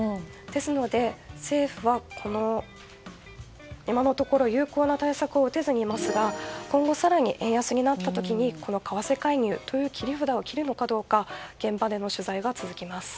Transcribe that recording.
ですので、政府は今のところ有効な対策を打てずにいますが今後、更に円安になった時に為替介入という切り札を切るのかどうか現場での取材が続きます。